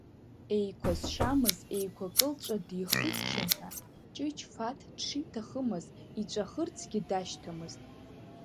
Еиқәа зшьамыз еиқәа кылҵәа дихыччон ҳәа, Ҷыҷ Фаҭ дшиҭахымыз иҵәахырцгьы дашьҭамызт.